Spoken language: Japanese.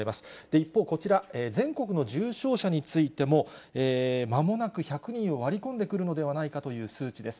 一方、こちら全国の重症者についても、まもなく１００人を割り込んでくるのではないかという数値です。